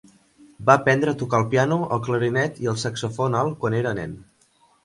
Va aprendre a tocar el piano, el clarinet i el saxofon alt quan era nen.